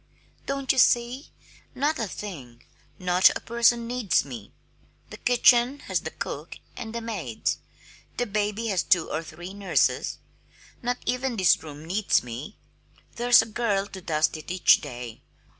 Don't you see? Not a thing, not a person needs me. The kitchen has the cook and the maids. The baby has two or three nurses. Not even this room needs me there's a girl to dust it each day.